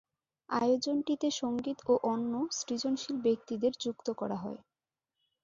আয়োজনটিতে সংগীত ও অন্য সৃজনশীল ব্যক্তিদের যুক্ত করা হয়।